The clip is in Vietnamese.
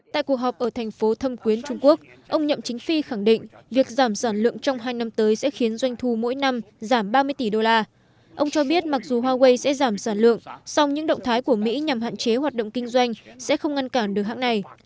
tại cuộc họp ở thành phố thâm quyến trung quốc ông nhậm chính phi khẳng định việc giảm sản lượng trong hai năm tới sẽ khiến doanh thu mỗi năm giảm ba mươi tỷ đô la ông cho biết mặc dù huawei sẽ giảm sản lượng song những động thái của mỹ nhằm hạn chế hoạt động kinh doanh sẽ không ngăn cản được hãng này